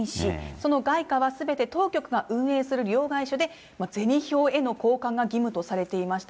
その外貨は、すべて当局が運営する両替所で、銭票への交換が義務とされていました。